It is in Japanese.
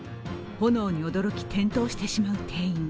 炎に驚き、転倒してしまう店員。